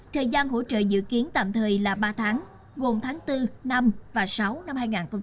thời gian hỗ trợ dự kiến tạm thời là ba tháng gồm tháng bốn năm và sáu năm hai nghìn hai mươi